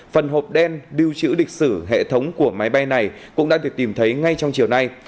phần hộp đen lưu trữ lịch sử hệ thống của máy bay này cũng đã được tìm thấy ngay trong chiều nay